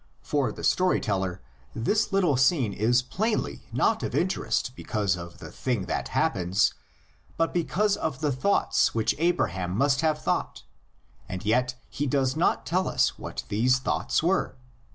For the story teller this little scene is plainly not of interest because of the thing that happens, but because of the thoughts which Abra ham must have thought, and yet he does not tell us what these thoughts were.